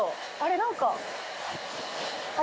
何か。